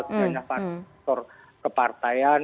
ini juga faktor kepartaian